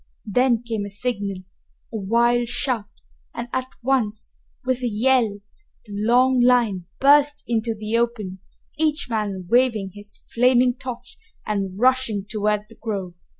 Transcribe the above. Then came a signal, a wild shout, and at once, with a yell, the long line burst into the open, each man waving his flaming torch and rushing toward the grove.